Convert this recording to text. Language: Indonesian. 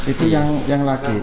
itu yang laki